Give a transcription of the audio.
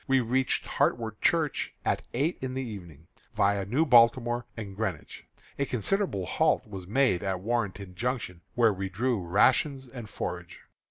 We reached Hartwood Church at eight in the evening, viâ New Baltimore and Greenwich. A considerable halt was made at Warrenton Junction, where we drew rations and forage.